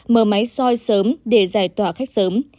mở máy soi sớm để giải tỏa khách sớm